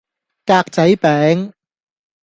格仔餅